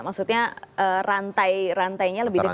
maksudnya rantai rantainya lebih dekat